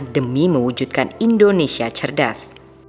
demi mewujudkan indonesia cerdas